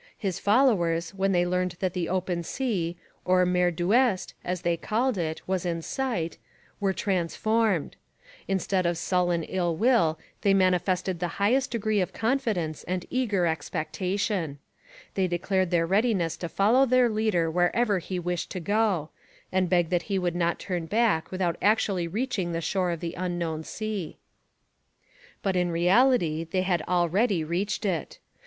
His followers, when they learned that the open sea, the mer d'ouest as they called it, was in sight, were transformed; instead of sullen ill will they manifested the highest degree of confidence and eager expectation. They declared their readiness to follow their leader wherever he wished to go, and begged that he would not turn back without actually reaching the shore of the unknown sea. But in reality they had already reached it.